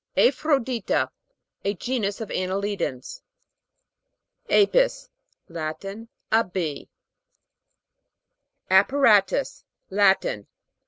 AFHRO'DITA. A genus of anneli dans. A'PIS. Latin. A bee. APPARA'TUS. Latin.